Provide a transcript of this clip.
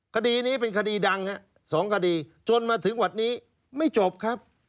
คดีนี้เป็นคดีดังฮะ๒คดีจนมาถึงวันนี้ไม่จบครับ